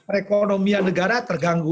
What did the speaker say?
rekonomian negara terganggu